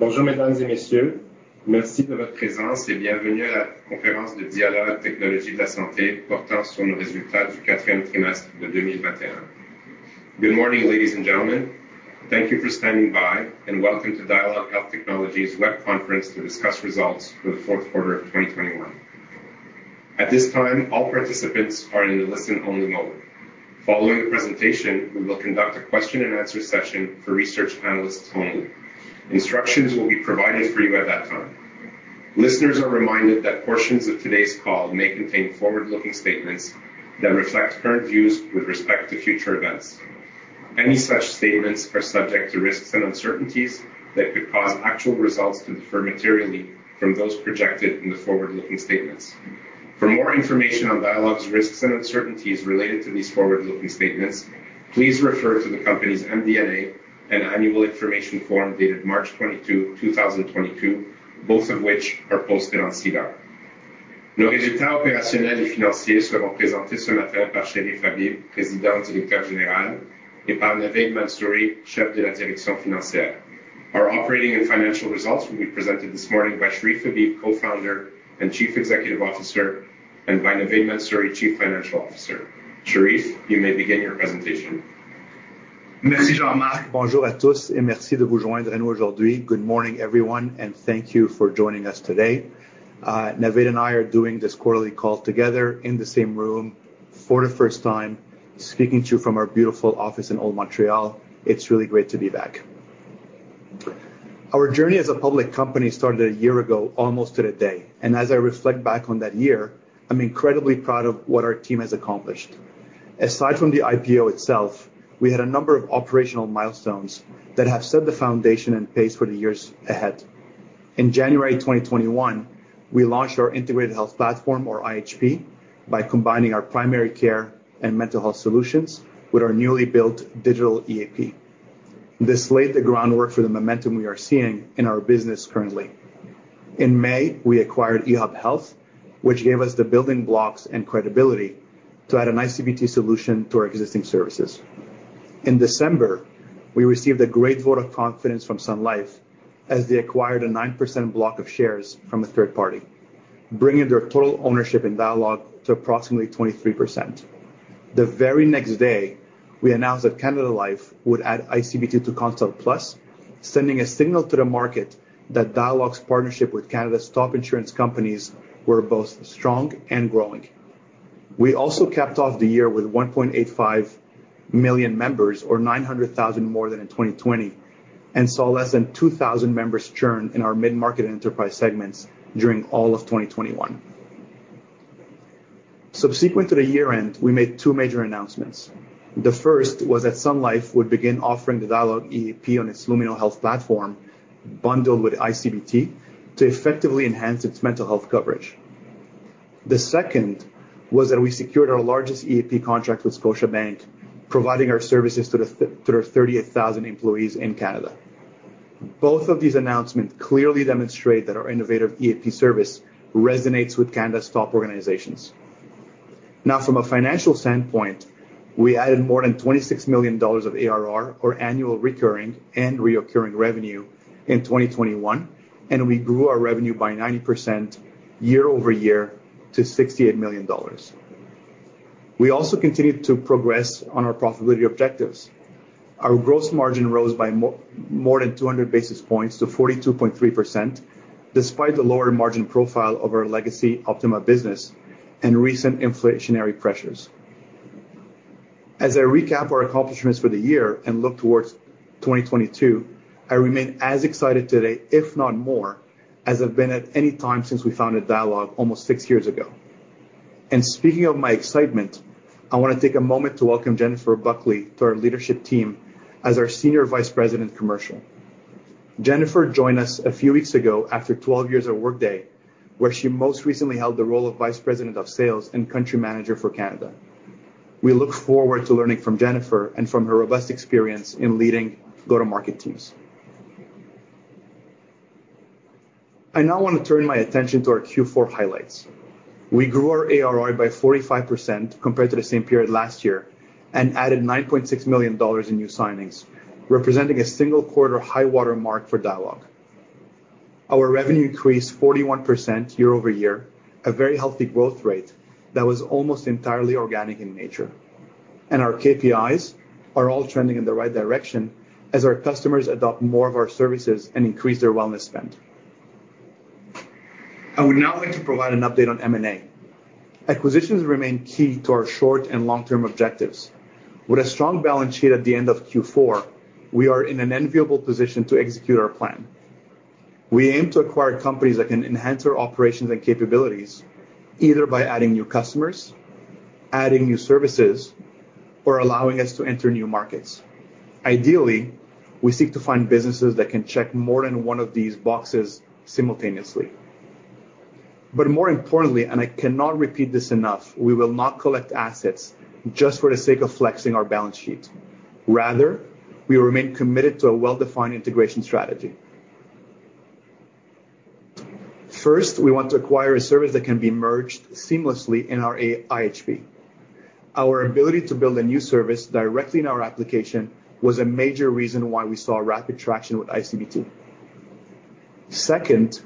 Bonjour, mesdames et messieurs. Merci de votre présence et bienvenue à la conférence de Dialogue Technologies de la Santé portant sur nos résultats du quatrième trimestre de 2021. Good morning, ladies and gentlemen. Thank you for standing by and welcome to Dialogue Health Technologies web conference to discuss results for the Q4 of 2021. At this time, all participants are in a listen-only mode. Following the presentation, we will conduct a question and answer session for research analysts only. Instructions will be provided for you at that time. Listeners are reminded that portions of today's call may contain forward-looking statements that reflect current views with respect to future events. Any such statements are subject to risks and uncertainties that could cause actual results to differ materially from those projected in the forward-looking statements. For more information on Dialogue's risks and uncertainties related to these forward-looking statements, please refer to the company's MD&A and annual information form dated March 22, 2022, both of which are posted on SEDAR. Nos résultats opérationnels et financiers seront présentés ce matin par Cherif Habib, président et directeur général, et par Navaid Mansuri, chef de la direction financière. Our operating and financial results will be presented this morning by Cherif Habib, Co-Founder and Chief Executive Officer, and by Navaid Mansuri, Chief Financial Officer. Cherif, you may begin your presentation. Merci, Jean-Marc. Bonjour à tous et merci de vous joindre à nous aujourd'hui. Good morning, everyone, and thank you for joining us today. Navaid and I are doing this quarterly call together in the same room for the first time, speaking to you from our beautiful office in Old Montreal. It's really great to be back. Our journey as a public company started a year ago, almost to the day. As I reflect back on that year, I'm incredibly proud of what our team has accomplished. Aside from the IPO itself, we had a number of operational milestones that have set the foundation and pace for the years ahead. In January 2021, we launched our integrated health platform or IHP by combining our primary care and mental health solutions with our newly built digital EAP. This laid the groundwork for the momentum we are seeing in our business currently. In May, we acquired e-hub Health, which gave us the building blocks and credibility to add an iCBT solution to our existing services. In December, we received a great vote of confidence from Sun Life as they acquired a 9% block of shares from a third party, bringing their total ownership in Dialogue to approximately 23%. The very next day, we announced that Canada Life would add iCBT to Consult+, sending a signal to the market that Dialogue's partnership with Canada's top insurance companies were both strong and growing. We also capped off the year with 1.85 million members or 900,000 more than in 2020 and saw less than 2,000 members churn in our mid-market enterprise segments during all of 2021. Subsequent to the year-end, we made two major announcements. The first was that Sun Life would begin offering the Dialogue EAP on its Lumino Health platform bundled with iCBT to effectively enhance its mental health coverage. The second was that we secured our largest EAP contract with Scotiabank, providing our services to their 38,000 employees in Canada. Both of these announcements clearly demonstrate that our innovative EAP service resonates with Canada's top organizations. Now from a financial standpoint, we added more than 26 million dollars of ARR or annual recurring and reoccurring revenue in 2021, and we grew our revenue by 90% year-over-year to 68 million dollars. We also continued to progress on our profitability objectives. Our gross margin rose by more than 200 basis points to 42.3% despite the lower margin profile of our legacy Optima business and recent inflationary pressures. As I recap our accomplishments for the year and look towards 2022, I remain as excited today, if not more, as I've been at any time since we founded Dialogue almost 6 years ago. Speaking of my excitement, I want to take a moment to welcome Jennifer Buckley to our leadership team as our Senior Vice President, Commercial. Jennifer joined us a few weeks ago after 12 years at Workday, where she most recently held the role of Vice President of Sales and Country Manager for Canada. We look forward to learning from Jennifer and from her robust experience in leading go-to-market teams. I now want to turn my attention to our Q4 highlights. We grew our ARR by 45% compared to the same period last year and added 9.6 million dollars in new signings, representing a single quarter high water mark for Dialogue. Our revenue increased 41% year-over-year, a very healthy growth rate that was almost entirely organic in nature. Our KPIs are all trending in the right direction as our customers adopt more of our services and increase their wellness spend. I would now like to provide an update on M&A. Acquisitions remain key to our short and long-term objectives. With a strong balance sheet at the end of Q4, we are in an enviable position to execute our plan. We aim to acquire companies that can enhance our operations and capabilities, either by adding new customers, adding new services, or allowing us to enter new markets. Ideally, we seek to find businesses that can check more than one of these boxes simultaneously. More importantly, and I cannot repeat this enough, we will not collect assets just for the sake of flexing our balance sheet. Rather, we remain committed to a well-defined integration strategy. First, we want to acquire a service that can be merged seamlessly in our IHP. Our ability to build a new service directly in our application was a major reason why we saw rapid traction with iCBT. Second,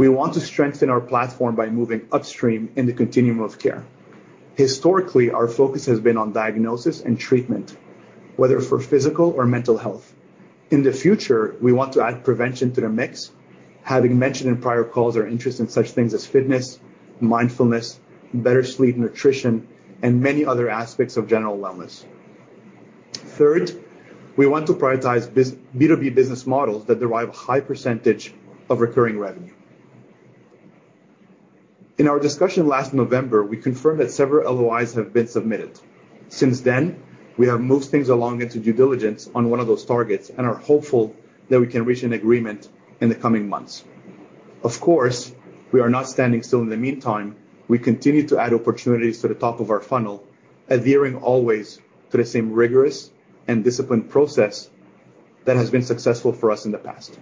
we want to strengthen our platform by moving upstream in the continuum of care. Historically, our focus has been on diagnosis and treatment, whether for physical or mental health. In the future, we want to add prevention to the mix. Having mentioned in prior calls our interest in such things as fitness, mindfulness, better sleep, nutrition, and many other aspects of general wellness. Third, we want to prioritize B2B business models that derive a high percentage of recurring revenue. In our discussion last November, we confirmed that several LOIs have been submitted. Since then, we have moved things along into due diligence on one of those targets and are hopeful that we can reach an agreement in the coming months. Of course, we are not standing still in the meantime. We continue to add opportunities to the top of our funnel, adhering always to the same rigorous and disciplined process that has been successful for us in the past.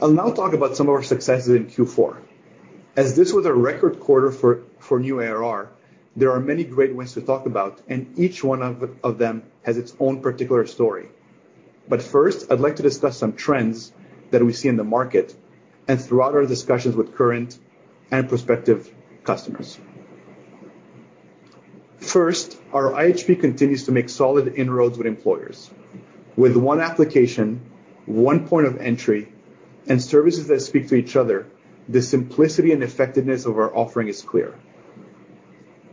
I'll now talk about some of our successes in Q4. As this was a record quarter for new ARR, there are many great wins to talk about, and each one of them has its own particular story. First, I'd like to discuss some trends that we see in the market and throughout our discussions with current and prospective customers. First, our IHP continues to make solid inroads with employers. With one application, one point of entry, and services that speak to each other, the simplicity and effectiveness of our offering is clear.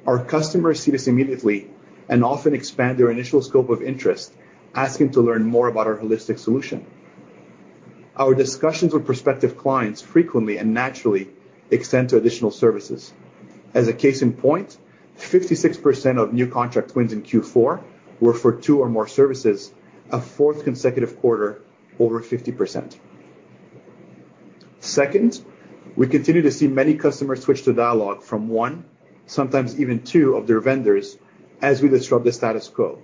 Our customers see this immediately and often expand their initial scope of interest, asking to learn more about our holistic solution. Our discussions with prospective clients frequently and naturally extend to additional services. As a case in point, 56% of new contract wins in Q4 were for two or more services, a fourth consecutive quarter over 50%. Second, we continue to see many customers switch to Dialogue from one, sometimes even two of their vendors as we disrupt the status quo.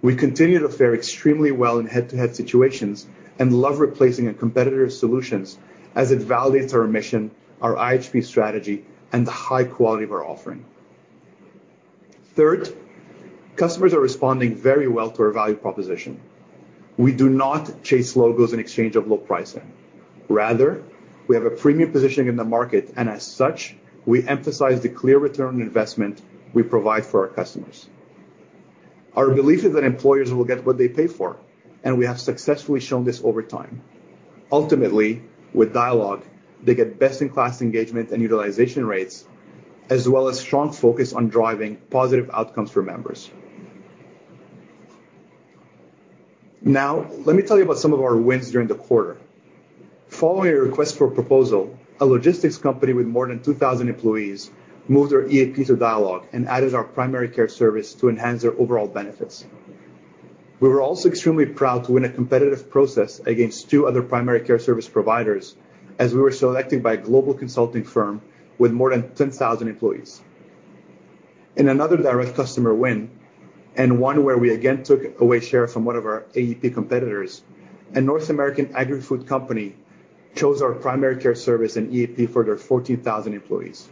We continue to fare extremely well in head-to-head situations and love replacing a competitor's solutions as it validates our mission, our IHP strategy, and the high quality of our offering. Third, customers are responding very well to our value proposition. We do not chase logos in exchange of low pricing. Rather, we have a premium positioning in the market, and as such, we emphasize the clear return on investment we provide for our customers. Our belief is that employers will get what they pay for, and we have successfully shown this over time. Ultimately, with Dialogue, they get best-in-class engagement and utilization rates, as well as strong focus on driving positive outcomes for members. Now, let me tell you about some of our wins during the quarter. Following a request for a proposal, a logistics company with more than 2,000 employees moved their EAP to Dialogue and added our primary care service to enhance their overall benefits. We were also extremely proud to win a competitive process against two other primary care service providers as we were selected by a global consulting firm with more than 10,000 employees. In another direct customer win, and one where we again took away share from one of our EAP competitors, a North American agri-food company chose our primary care service and EAP for their 14,000 employees.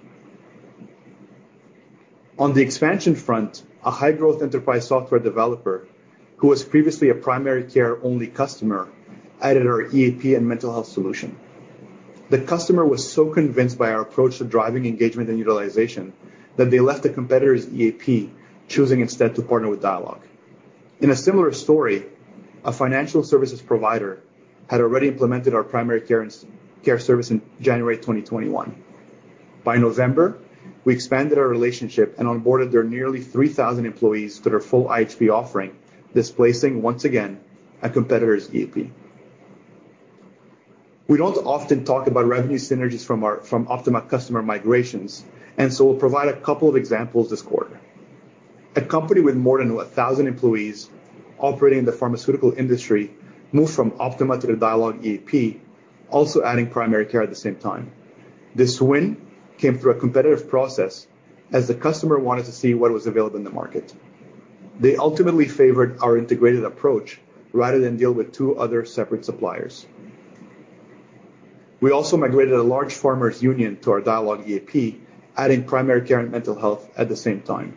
On the expansion front, a high-growth enterprise software developer who was previously a primary care-only customer added our EAP and mental health solution. The customer was so convinced by our approach to driving engagement and utilization that they left a competitor's EAP, choosing instead to partner with Dialogue. In a similar story, a financial services provider had already implemented our primary care service in January 2021. By November, we expanded our relationship and onboarded their nearly 3,000 employees to their full IHP offering, displacing once again a competitor's EAP. We don't often talk about revenue synergies from our Optima customer migrations, so we'll provide a couple of examples this quarter. A company with more than 1,000 employees operating in the pharmaceutical industry moved from Optima to the Dialogue EAP, also adding primary care at the same time. This win came through a competitive process as the customer wanted to see what was available in the market. They ultimately favored our integrated approach rather than deal with two other separate suppliers. We also migrated a large farmers union to our Dialogue EAP, adding primary care and mental health at the same time.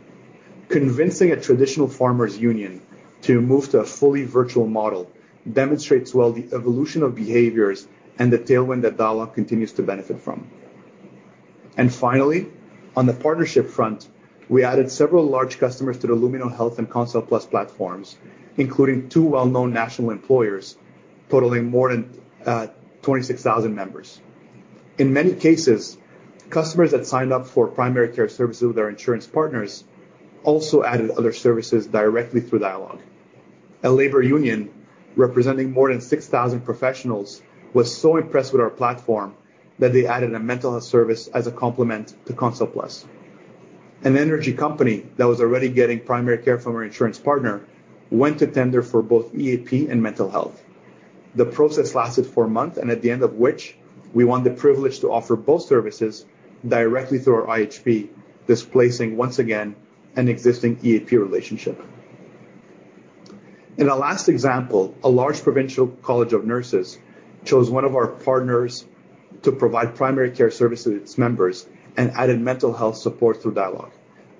Convincing a traditional farmers union to move to a fully virtual model demonstrates well the evolution of behaviors and the tailwind that Dialogue continues to benefit from. Finally, on the partnership front, we added several large customers to the Lumino Health and Consult+ platforms, including two well-known national employers, totaling more than 26,000 members. In many cases, customers that signed up for primary care services with our insurance partners also added other services directly through Dialogue. A labor union representing more than 6,000 professionals was so impressed with our platform that they added a mental health service as a complement to Consult+. An energy company that was already getting primary care from our insurance partner went to tender for both EAP and mental health. The process lasted for a month, and at the end of which, we won the privilege to offer both services directly through our IHP, displacing once again an existing EAP relationship. In our last example, a large provincial college of nurses chose one of our partners to provide primary care services to its members and added mental health support through Dialogue.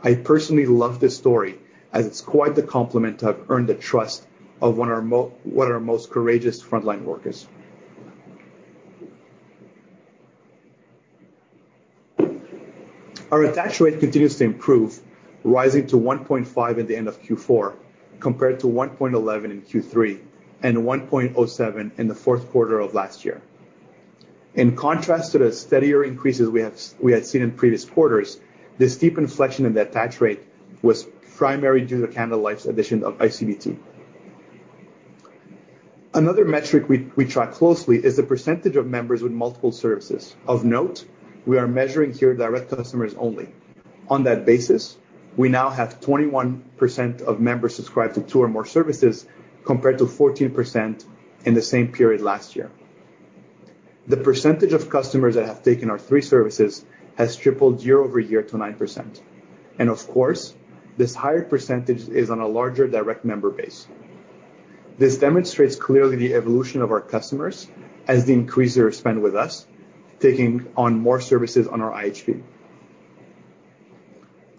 I personally love this story as it's quite the compliment to have earned the trust of one of our most courageous frontline workers. Our attach rate continues to improve, rising to 1.5 at the end of Q4 compared to 1.11 in Q3, and 1.07 in the Q4 of last year. In contrast to the steadier increases we had seen in previous quarters, this steep inflection in the attach rate was primarily due to Canada Life's addition of iCBT. Another metric we track closely is the percentage of members with multiple services. Of note, we are measuring here direct customers only. On that basis, we now have 21% of members subscribed to two or more services compared to 14% in the same period last year. The percentage of customers that have taken our three services has tripled year-over-year to 9%. Of course, this higher percentage is on a larger direct member base. This demonstrates clearly the evolution of our customers as they increase their spend with us, taking on more services on our IHP.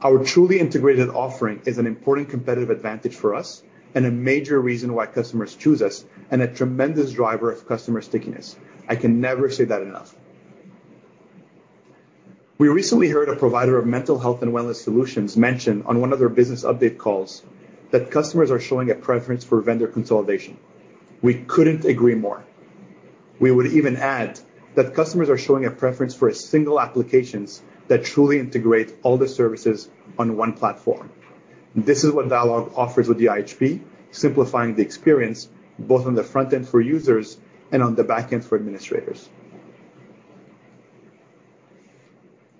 Our truly integrated offering is an important competitive advantage for us and a major reason why customers choose us, and a tremendous driver of customer stickiness. I can never say that enough. We recently heard a provider of mental health and wellness solutions mention on one of their business update calls that customers are showing a preference for vendor consolidation. We couldn't agree more. We would even add that customers are showing a preference for single applications that truly integrate all the services on one platform. This is what Dialogue offers with the IHP, simplifying the experience both on the front end for users and on the back end for administrators.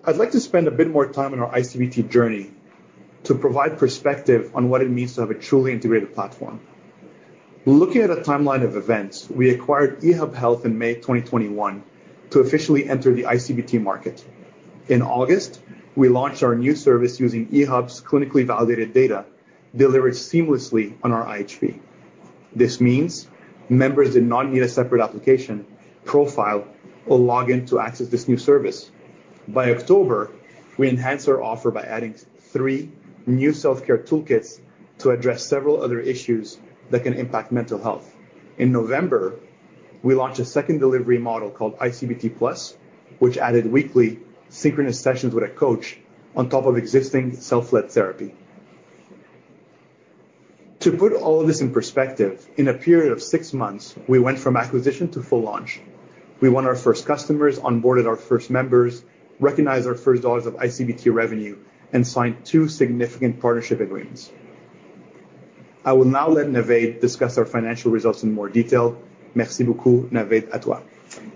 I'd like to spend a bit more time on our iCBT journey to provide perspective on what it means to have a truly integrated platform. Looking at a timeline of events, we acquired e-hub Health in May 2021 to officially enter the iCBT market. In August, we launched our new service using e-hub Health's clinically validated data, delivered seamlessly on our IHP. This means members did not need a separate application, profile, or login to access this new service. By October, we enhanced our offer by adding three new self-care toolkits to address several other issues that can impact mental health. In November, we launched a second delivery model called iCBT+, which added weekly synchronous sessions with a coach on top of existing self-led therapy. To put all of this in perspective, in a period of six months, we went from acquisition to full launch. We won our first customers, onboarded our first members, recognized our first dollars of iCBT revenue, and signed two significant partnership agreements. I will now let Navaid discuss our financial results in more detail. Merci,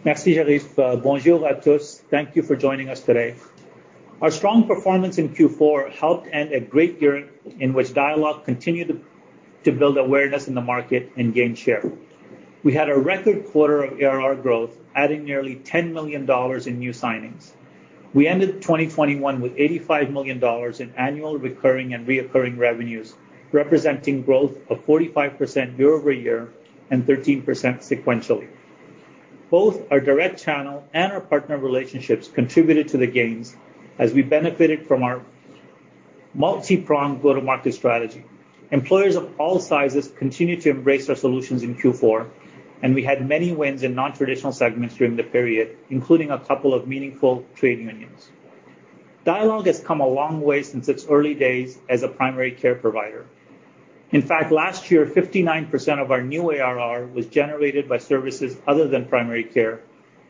Cherif. Bonjour à tous. Thank you for joining us today. Our strong performance in Q4 helped end a great year in which Dialogue continued to build awareness in the market and gain share. We had a record quarter of ARR growth, adding nearly 10 million dollars in new signings. We ended 2021 with 85 million dollars in annual recurring and reoccurring revenues, representing growth of 45% year-over-year and 13% sequentially. Both our direct channel and our partner relationships contributed to the gains as we benefited from our multi-pronged go-to-market strategy. Employers of all sizes continued to embrace our solutions in Q4, and we had many wins in non-traditional segments during the period, including a couple of meaningful trade unions. Dialogue has come a long way since its early days as a primary care provider. In fact, last year, 59% of our new ARR was generated by services other than primary care,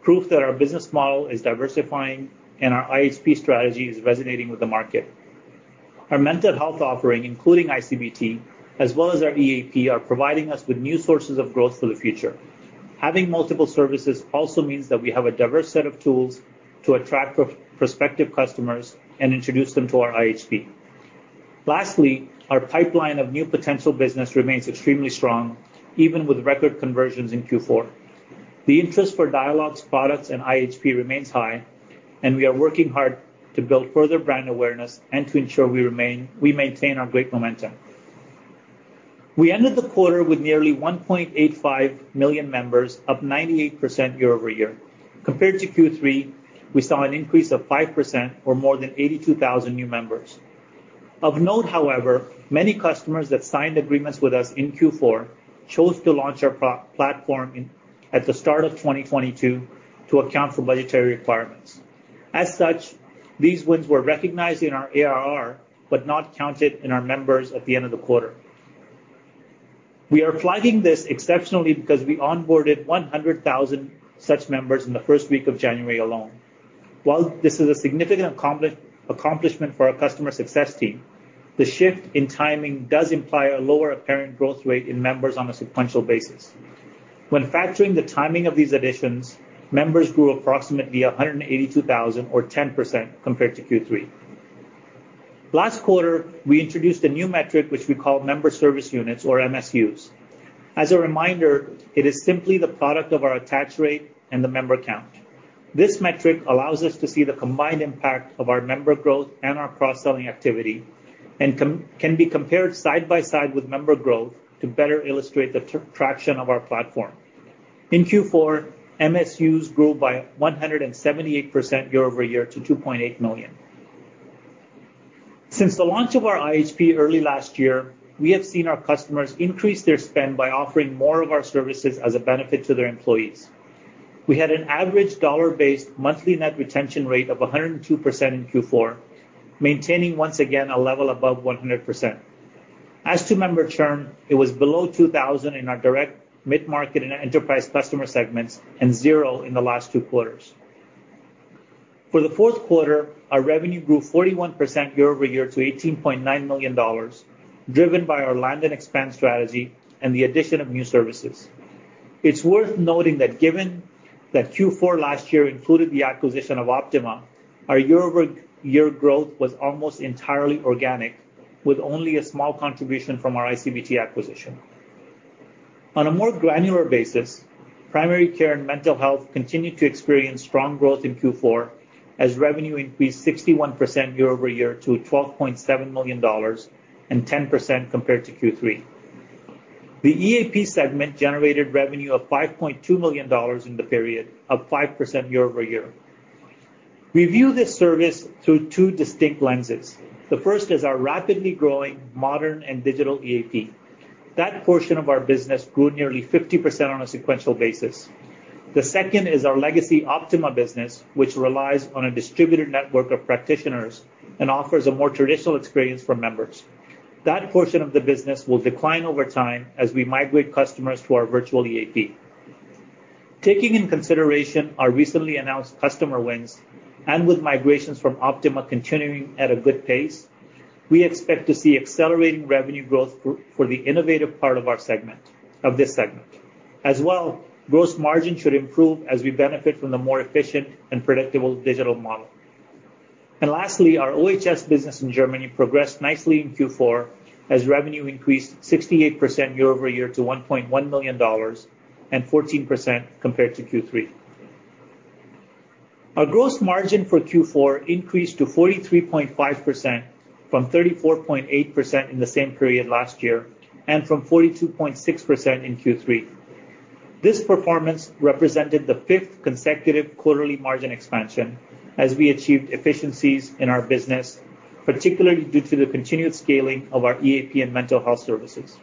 proof that our business model is diversifying and our IHP strategy is resonating with the market. Our mental health offering, including iCBT, as well as our EAP, are providing us with new sources of growth for the future. Having multiple services also means that we have a diverse set of tools to attract prospective customers and introduce them to our IHP. Lastly, our pipeline of new potential business remains extremely strong, even with record conversions in Q4. The interest for Dialogue's products and IHP remains high, and we are working hard to build further brand awareness and to ensure we maintain our great momentum. We ended the quarter with nearly 1.85 million members, up 98% year-over-year. Compared to Q3, we saw an increase of 5% or more than 82,000 new members. Of note, however, many customers that signed agreements with us in Q4 chose to launch our platform at the start of 2022 to account for budgetary requirements. As such, these wins were recognized in our ARR but not counted in our members at the end of the quarter. We are flagging this exceptionally because we onboarded 100,000 such members in the first week of January alone. While this is a significant accomplishment for our customer success team, the shift in timing does imply a lower apparent growth rate in members on a sequential basis. When factoring the timing of these additions, members grew approximately 182,000 or 10% compared to Q3. Last quarter, we introduced a new metric which we call Member Service Units or MSUs. As a reminder, it is simply the product of our attach rate and the member count. This metric allows us to see the combined impact of our member growth and our cross-selling activity, and can be compared side by side with member growth to better illustrate the traction of our platform. In Q4, MSUs grew by 178% year over year to 2.8 million. Since the launch of our IHP early last year, we have seen our customers increase their spend by offering more of our services as a benefit to their employees. We had an average dollar-based monthly net retention rate of 102% in Q4, maintaining once again a level above 100%. As to member churn, it was below 2,000 in our direct mid-market and enterprise customer segments, and zero in the last two quarters. For the Q4, our revenue grew 41% year-over-year to 18.9 million dollars, driven by our land and expand strategy and the addition of new services. It's worth noting that given that Q4 last year included the acquisition of Optima, our year-over-year growth was almost entirely organic, with only a small contribution from our iCBT acquisition. On a more granular basis, primary care and mental health continued to experience strong growth in Q4 as revenue increased 61% year-over-year to 12.7 million dollars and 10% compared to Q3. The EAP segment generated revenue of 5.2 million dollars in the period, up 5% year-over-year. We view this service through two distinct lenses. The first is our rapidly growing modern and digital EAP. That portion of our business grew nearly 50% on a sequential basis. The second is our legacy Optima business, which relies on a distributor network of practitioners and offers a more traditional experience for members. That portion of the business will decline over time as we migrate customers to our virtual EAP. Taking into consideration our recently announced customer wins and with migrations from Optima continuing at a good pace, we expect to see accelerating revenue growth for the innovative part of this segment. Gross margin should improve as we benefit from the more efficient and predictable digital model. Lastly, our OHS business in Germany progressed nicely in Q4 as revenue increased 68% year-over-year to 1.1 million dollars and 14% compared to Q3. Our gross margin for Q4 increased to 43.5% from 34.8% in the same period last year, and from 42.6% in Q3. This performance represented the fifth consecutive quarterly margin expansion as we achieved efficiencies in our business, particularly due to the continued scaling of our EAP and mental health services.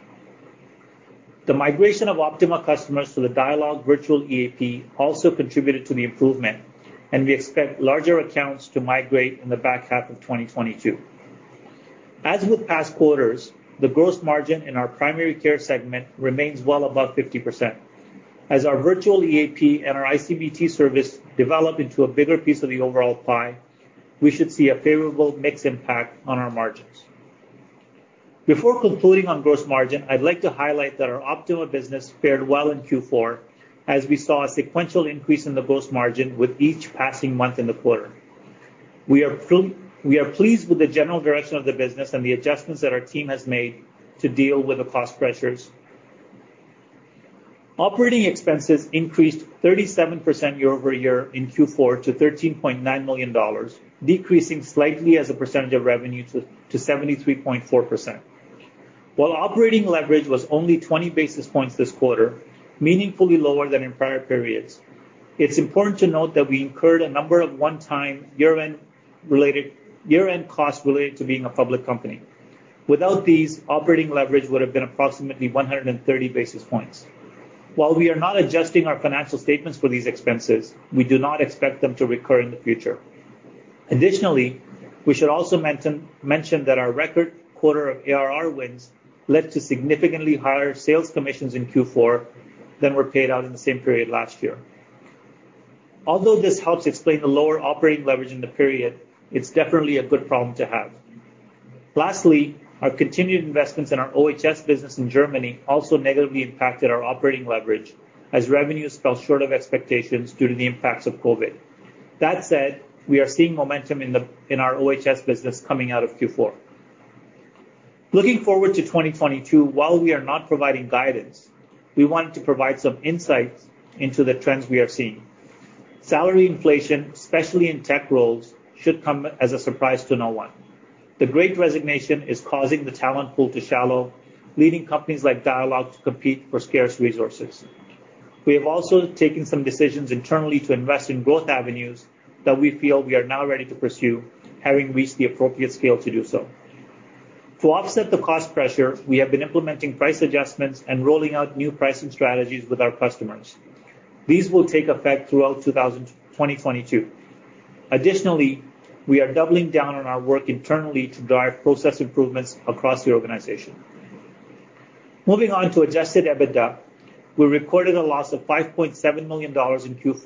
The migration of Optima customers to the Dialogue virtual EAP also contributed to the improvement, and we expect larger accounts to migrate in the back half of 2022. As with past quarters, the gross margin in our primary care segment remains well above 50%. As our virtual EAP and our iCBT service develop into a bigger piece of the overall pie, we should see a favorable mix impact on our margins. Before concluding on gross margin, I'd like to highlight that our Optima business fared well in Q4 as we saw a sequential increase in the gross margin with each passing month in the quarter. We are pleased with the general direction of the business and the adjustments that our team has made to deal with the cost pressures. Operating expenses increased 37% year-over-year in Q4 to 13.9 million dollars, decreasing slightly as a percentage of revenue to 73.4%. While operating leverage was only 20 basis points this quarter, meaningfully lower than in prior periods, it's important to note that we incurred a number of one-time year-end costs related to being a public company. Without these, operating leverage would have been approximately 130 basis points. While we are not adjusting our financial statements for these expenses, we do not expect them to recur in the future. Additionally, we should also mention that our record quarter of ARR wins led to significantly higher sales commissions in Q4 than were paid out in the same period last year. Although this helps explain the lower operating leverage in the period, it's definitely a good problem to have. Lastly, our continued investments in our OHS business in Germany also negatively impacted our operating leverage as revenues fell short of expectations due to the impacts of COVID. That said, we are seeing momentum in our OHS business coming out of Q4. Looking forward to 2022, while we are not providing guidance, we want to provide some insights into the trends we are seeing. Salary inflation, especially in tech roles, should come as a surprise to no one. The Great Resignation is causing the talent pool to shallower, leading companies like Dialogue to compete for scarce resources. We have also taken some decisions internally to invest in growth avenues that we feel we are now ready to pursue, having reached the appropriate scale to do so. To offset the cost pressure, we have been implementing price adjustments and rolling out new pricing strategies with our customers. These will take effect throughout 2022. Additionally, we are doubling down on our work internally to drive process improvements across the organization. Moving on to adjusted EBITDA. We recorded a loss of 5.7 million dollars in Q4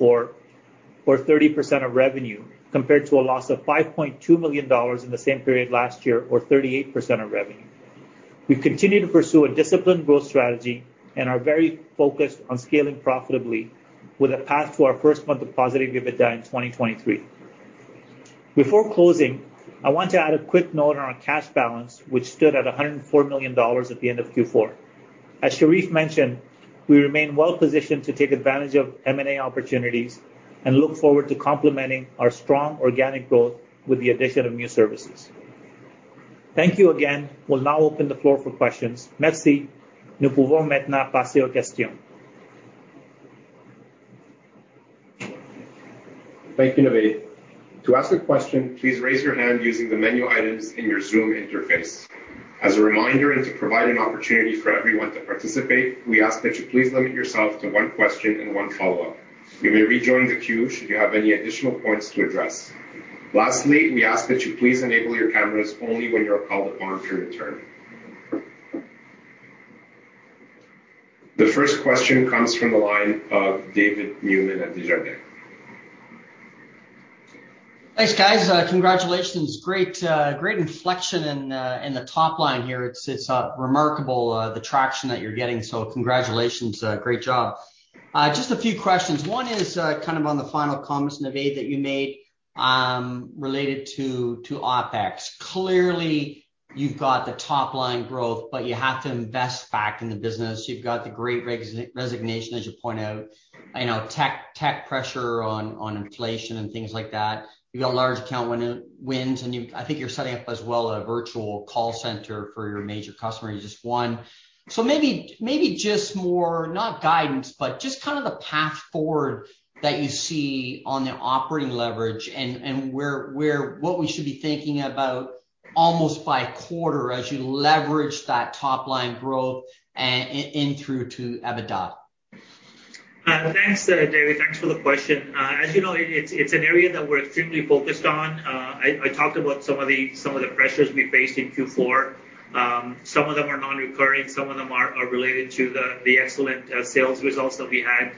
or 30% of revenue, compared to a loss of 5.2 million dollars in the same period last year, or 38% of revenue. We continue to pursue a disciplined growth strategy and are very focused on scaling profitably with a path to our first month of positive EBITDA in 2023. Before closing, I want to add a quick note on our cash balance, which stood at 104 million dollars at the end of Q4. As Cherif mentioned, we remain well-positioned to take advantage of M&A opportunities and look forward to complementing our strong organic growth with the addition of new services. Thank you again. We'll now open the floor for questions. Thank you, Navaid. To ask a question, please raise your hand using the menu items in your Zoom interface. As a reminder, and to provide an opportunity for everyone to participate, we ask that you please limit yourself to one question and one follow-up. You may re-join the queue should you have any additional points to address. Lastly, we ask that you please enable your cameras only when you're called upon for your turn. The first question comes from the line of David Newman at Desjardins. Thanks, guys. Congratulations. Great inflection in the top line here. It's remarkable the traction that you're getting, so congratulations. Great job. Just a few questions. One is kind of on the final comments, Navaid, that you made related to OpEx. Clearly you've got the top line growth, but you have to invest back in the business. You've got the Great Resignation, as you point out. I know tech pressure on inflation and things like that. You got large account wins, and I think you're setting up as well a virtual call center for your major customer. You just won. Maybe just more, not guidance, but just kind of the path forward that you see on the operating leverage and where what we should be thinking about almost by quarter as you leverage that top line growth and through to EBITDA. Thanks, David. Thanks for the question. As you know, it's an area that we're extremely focused on. I talked about some of the pressures we faced in Q4. Some of them are non-recurring, some of them are related to the excellent sales results that we had.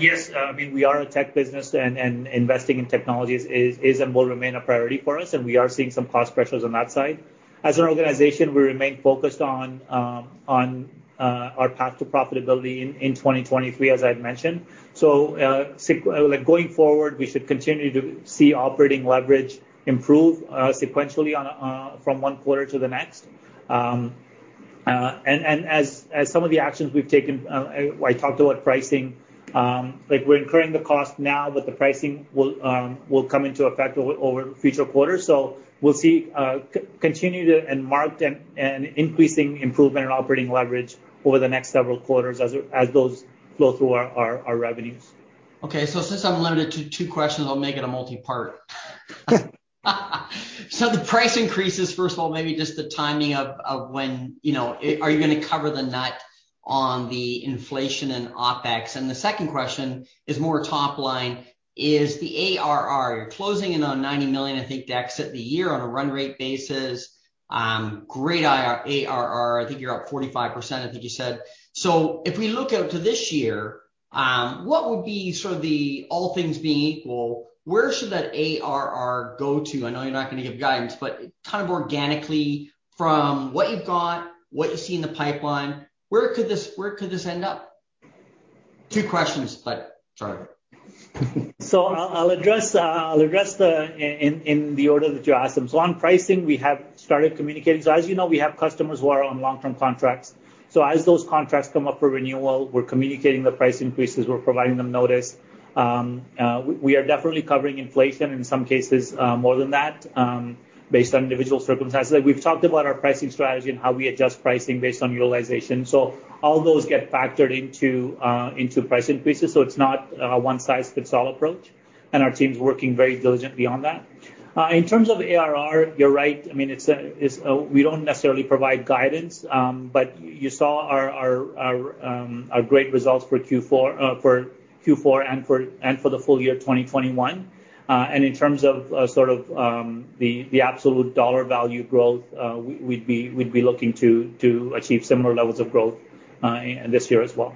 Yes, I mean, we are a tech business and investing in technologies is and will remain a priority for us, and we are seeing some cost pressures on that side. As an organization, we remain focused on our path to profitability in 2023, as I've mentioned. Like, going forward, we should continue to see operating leverage improve sequentially from one quarter to the next. As some of the actions we've taken, I talked about pricing, like we're incurring the cost now, but the pricing will come into effect over future quarters. We'll see an increasing improvement in operating leverage over the next several quarters as those flow through our revenues. Okay. Since I'm limited to two questions, I'll make it a multipart. The price increases, first of all, maybe just the timing of when, you know, are you going to cover the nut on the inflation and OpEx? The second question is more top line. With the ARR, you're closing in on 90 million, I think, to exit the year on a run rate basis. Great ARR. I think you're up 45%, I think you said. If we look out to this year, what would be sort of the all things being equal, where should that ARR go to? I know you're not going to give guidance, but kind of organically from what you've got, what you see in the pipeline, where could this end up? Two questions, but sorry. I'll address them in the order that you asked. On pricing, we have started communicating. As you know, we have customers who are on long-term contracts. As those contracts come up for renewal, we're communicating the price increases, we're providing them notice. We are definitely covering inflation, in some cases, more than that, based on individual circumstances. Like we've talked about our pricing strategy and how we adjust pricing based on utilization. All those get factored into price increases, so it's not a one size fits all approach, and our team's working very diligently on that. In terms of ARR, you're right. I mean, it's we don't necessarily provide guidance, but you saw our great results for Q4 and for the full year 2021. In terms of sort of the absolute dollar value growth, we'd be looking to achieve similar levels of growth this year as well.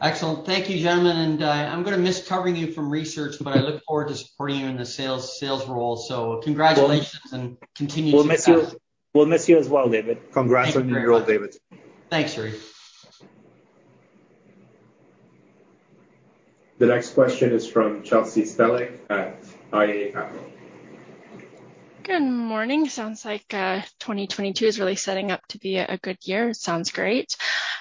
Excellent. Thank you, gentlemen. I'm going to miss covering you from research, but I look forward to supporting you in the sales role. Congratulations and continue to. We'll miss you. We'll miss you as well, David. Congrats on your new role, David. Thanks, Cherif. The next question is from Chelsea Stellick at iA Capital. Good morning. Sounds like 2022 is really setting up to be a good year. Sounds great.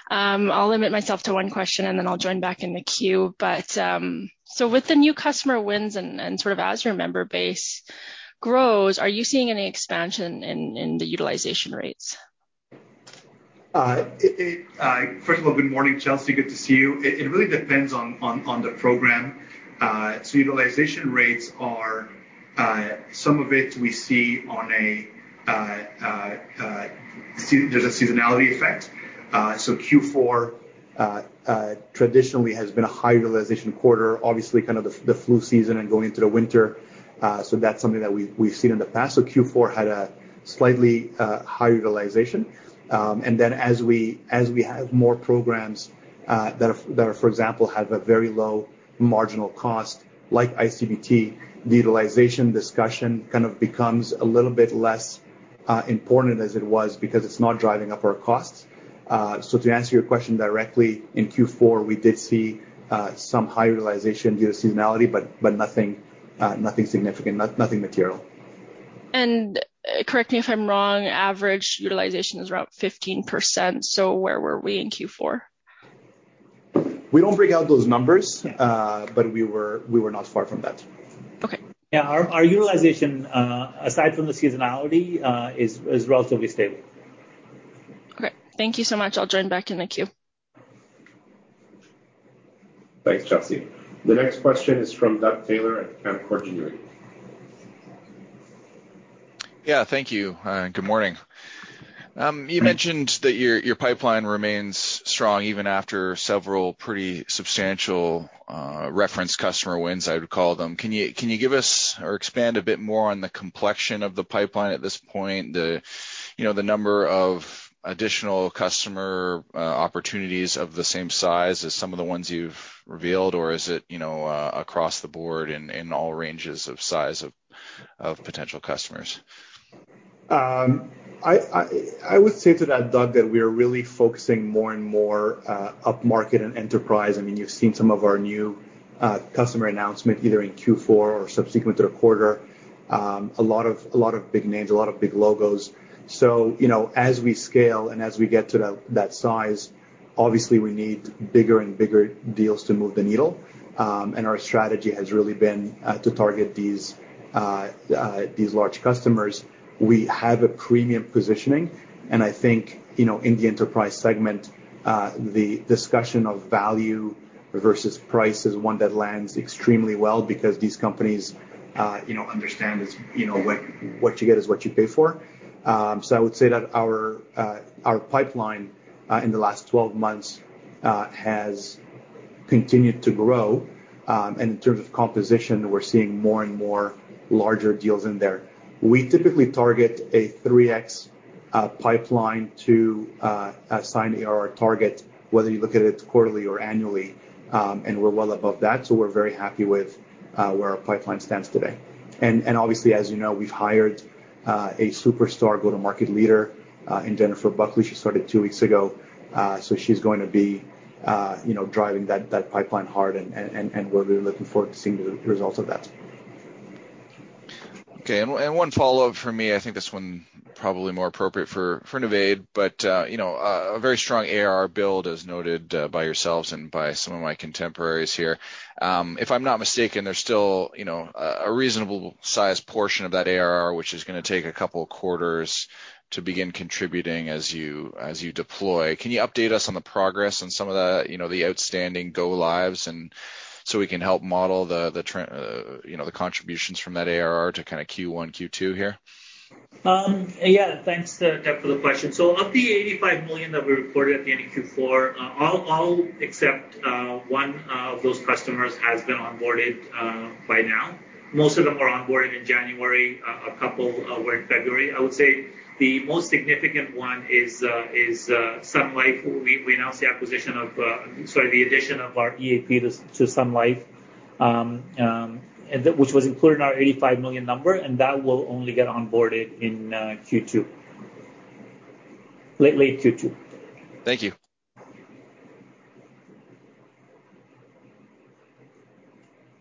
I'll limit myself to one question, and then I'll join back in the queue. With the new customer wins and sort of as your member base grows, are you seeing any expansion in the utilization rates? First of all, good morning, Chelsea, good to see you. It really depends on the program. Utilization rates are. There's a seasonality effect. Q4 traditionally has been a high utilization quarter, obviously kind of the flu season and going through the winter, so that's something that we've seen in the past. Q4 had a slightly high utilization. As we have more programs that are, for example, have a very low marginal cost, like iCBT, the utilization discussion kind of becomes a little bit less important as it was because it's not driving up our costs. To answer your question directly, in Q4, we did see some high utilization due to seasonality, but nothing significant. Nothing material. Correct me if I'm wrong, average utilization is around 15%, so where were we in Q4? We don't break out those numbers. We were not far from that. Okay. Yeah. Our utilization aside from the seasonality is relatively stable. Okay. Thank you so much. I'll join back in the queue. Thanks, Chelsea. The next question is from Doug Taylor at Canaccord Genuity. Yeah, thank you. Good morning. You mentioned that your pipeline remains strong even after several pretty substantial reference customer wins, I would call them. Can you give us or expand a bit more on the complexion of the pipeline at this point? You know, the number of additional customer opportunities of the same size as some of the ones you've revealed, or is it, you know, across the board in all ranges of size of potential customers? I would say to that, Doug, that we are really focusing more and more up market and enterprise. I mean, you've seen some of our new customer announcement either in Q4 or subsequent to a quarter. A lot of big names, a lot of big logos. You know, as we scale and as we get to that size, obviously we need bigger and bigger deals to move the needle. Our strategy has really been to target these large customers. We have a premium positioning, and I think, you know, in the enterprise segment, the discussion of value versus price is one that lands extremely well because these companies, you know, understand it's, you know, what you get is what you pay for. I would say that our pipeline in the last 12 months has continued to grow. In terms of composition, we're seeing more and more larger deals in there. We typically target a 3x pipeline to assign ARR target, whether you look at it quarterly or annually. We're well above that, so we're very happy with where our pipeline stands today. Obviously, as you know, we've hired a superstar go-to-market leader in Jennifer Buckley. She started two weeks ago. She's going to be, you know, driving that pipeline hard and we'll be looking forward to seeing the results of that. Okay. One follow-up from me. I think this one probably more appropriate for Navaid. You know, a very strong ARR build as noted by yourselves and by some of my contemporaries here. If I'm not mistaken, there's still you know, a reasonable sized portion of that ARR, which is going to take a couple of quarters to begin contributing as you deploy. Can you update us on the progress and some of the outstanding go lives so we can help model the trend, you know, the contributions from that ARR to kind of Q1, Q2 here? Thanks, Doug, for the question. Of the 85 million that we reported at the end of Q4, all except one of those customers has been onboarded by now. Most of them are onboarded in January, a couple were in February. I would say the most significant one is Sun Life. We announced the addition of our EAP to Sun Life, and which was included in our 85 million number, and that will only get onboarded in late Q2. Thank you.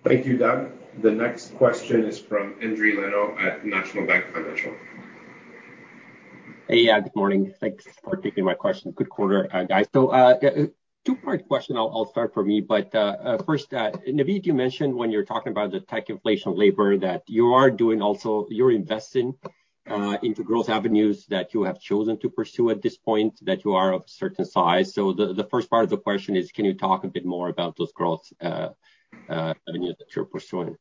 Thank you, Doug. The next question is from Endri Leno at National Bank Financial. Hey. Yeah, good morning. Thanks for taking my question. Good quarter, guys. Two-part question. I'll start for me, but first, Navaid, you mentioned when you're talking about the tech, inflation, labor that you are doing also, you're investing into growth avenues that you have chosen to pursue at this point that you are of a certain size. The first part of the question is, can you talk a bit more about those growth avenues that you're pursuing?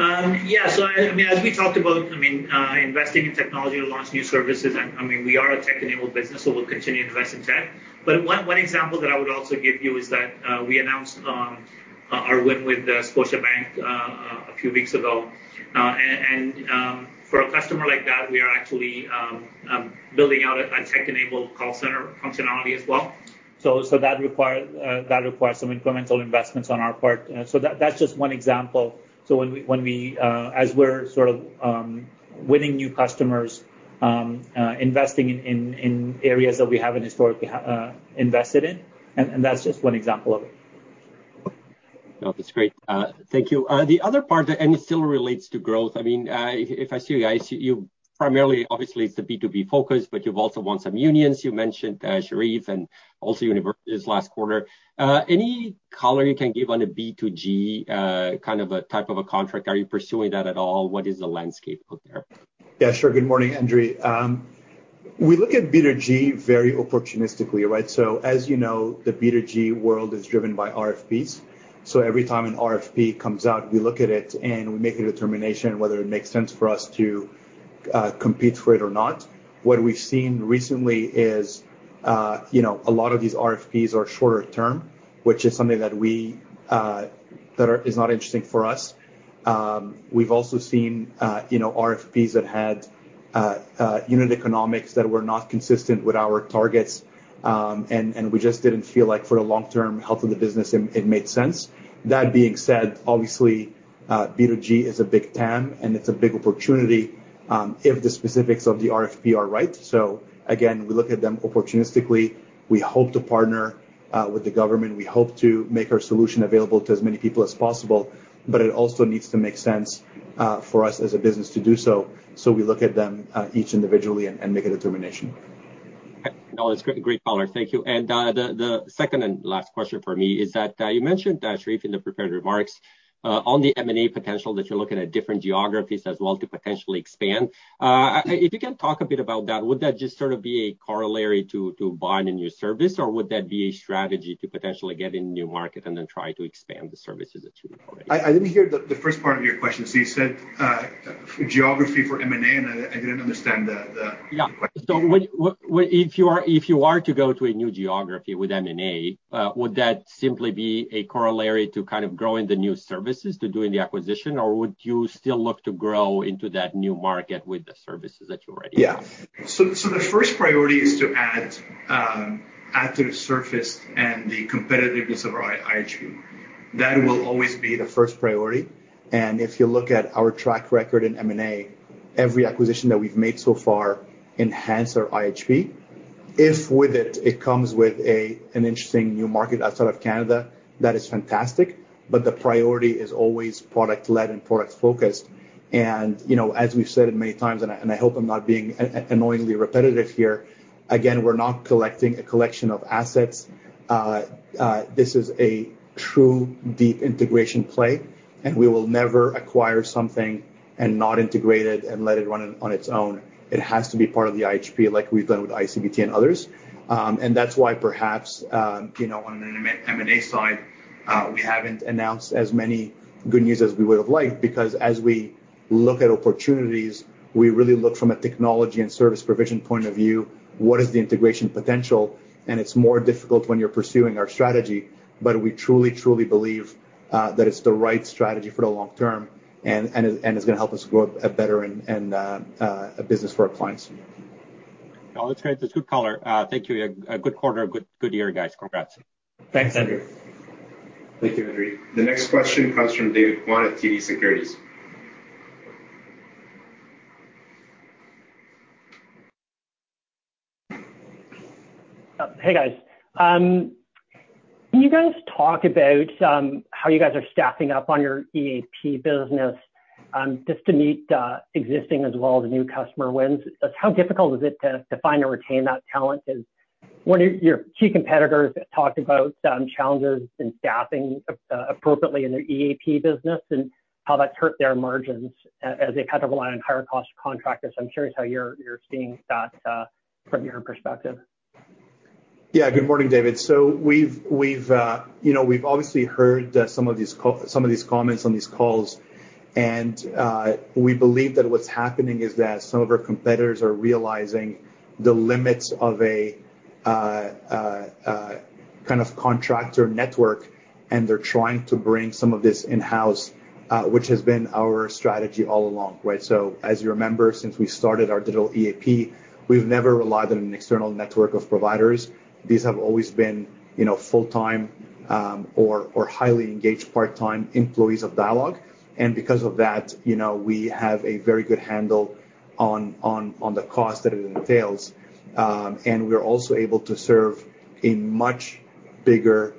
Yeah. I mean, as we talked about, I mean, investing in technology to launch new services, and I mean, we are a tech-enabled business, so we'll continue to invest in tech. But one example that I would also give you is that we announced our win with Scotiabank a few weeks ago. For a customer like that, we are actually building out a tech-enabled call center functionality as well. That requires some incremental investments on our part. That's just one example. When we're sort of winning new customers, investing in areas that we haven't historically invested in, and that's just one example of it. No, that's great. Thank you. The other part, and it still relates to growth. I mean, if I see you primarily, obviously it's the B2B focus, but you've also won some unions. You mentioned, Cherif and also universities last quarter. Any color you can give on a B2G, kind of a type of a contract? Are you pursuing that at all? What is the landscape like there? Yeah, sure. Good morning, Endri. We look at B2G very opportunistically, right? As you know, the B2G world is driven by RFPs. Every time an RFP comes out, we look at it and we make a determination whether it makes sense for us to compete for it or not. What we've seen recently is a lot of these RFPs are shorter term, which is something that is not interesting for us. We've also seen RFPs that had unit economics that were not consistent with our targets, and we just didn't feel like for the long-term health of the business it made sense. That being said, obviously, B2G is a big TAM, and it's a big opportunity if the specifics of the RFP are right. Again, we look at them opportunistically. We hope to partner with the government. We hope to make our solution available to as many people as possible, but it also needs to make sense for us as a business to do so we look at them each individually and make a determination. No, it's great color. Thank you. The second and last question for me is that you mentioned Cherif in the prepared remarks on the M&A potential that you're looking at different geographies as well to potentially expand. If you can talk a bit about that, would that just sort of be a corollary to buying a new service, or would that be a strategy to potentially get in new market and then try to expand the services that you already have? I didn't hear the first part of your question. You said geography for M&A, and I didn't understand the question. Yeah. What if you are to go to a new geography with M&A, would that simply be a corollary to kind of growing the new services to doing the acquisition? Or would you still look to grow into that new market with the services that you already have? Yeah. The first priority is to add to the surface and the competitiveness of our IHP. That will always be the first priority. If you look at our track record in M&A, every acquisition that we've made so far enhance our IHP. If with it comes with an interesting new market outside of Canada, that is fantastic, but the priority is always product-led and product-focused. You know, as we've said it many times, I hope I'm not being annoyingly repetitive here, again, we're not collecting a collection of assets. This is a true deep integration play, and we will never acquire something and not integrate it and let it run on its own. It has to be part of the IHP like we've done with ICBT and others. That's why perhaps, you know, on an M&A side, we haven't announced as many good news as we would've liked because as we look at opportunities, we really look from a technology and service provision point of view, what is the integration potential. It's more difficult when you're pursuing our strategy, but we truly believe that it's the right strategy for the long term and it it's gonna help us grow a better and a business for our clients. No, that's great. That's good color. Thank you. A good quarter, good year, guys. Congrats. Thanks, Endri. Thank you, Endri. The next question comes from David Kwan at TD Securities. Hey, guys. Can you guys talk about how you guys are staffing up on your EAP business, just to meet existing as well as new customer wins? How difficult is it to find or retain that talent? 'Cause one of your key competitors talked about challenges in staffing appropriately in their EAP business and how that hurt their margins as they kind of rely on higher cost contractors. I'm curious how you're seeing that from your perspective. Yeah. Good morning, David. You know, we've obviously heard some of these comments on these calls, and we believe that what's happening is that some of our competitors are realizing the limits of a kind of contractor network, and they're trying to bring some of this in-house, which has been our strategy all along. Right? As you remember, since we started our digital EAP, we've never relied on an external network of providers. These have always been, you know, full-time or highly engaged part-time employees of Dialogue. Because of that, you know, we have a very good handle on the cost that it entails. We're also able to serve a much bigger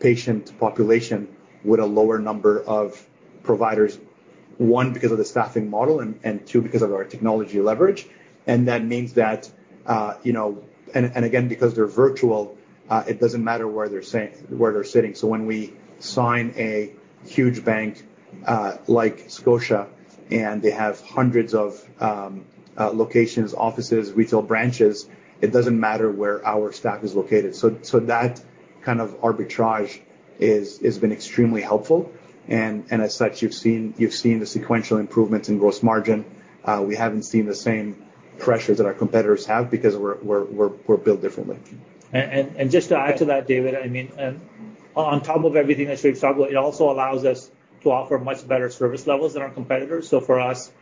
patient population with a lower number of providers, one, because of the staffing model, and two, because of our technology leverage. That means that, you know. Again, because they're virtual, it doesn't matter where they're sitting. When we sign a huge bank like Scotiabank, and they have hundreds of locations, offices, retail branches, it doesn't matter where our staff is located. That kind of arbitrage has been extremely helpful. As such, you've seen the sequential improvements in gross margin. We haven't seen the same pressures that our competitors have because we're built differently. Just to add to that, David, I mean, on top of everything that Cherif's talked about, it also allows us to offer much better service levels than our competitors. For us,